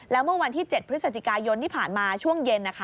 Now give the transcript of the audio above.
แล้วเมื่อวันที่๗พฤศจิกายนที่ผ่านมาช่วงเย็น